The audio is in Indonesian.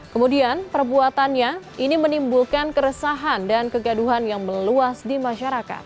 kemudian perbuatannya ini menimbulkan keresahan dan kegaduhan yang meluas di masyarakat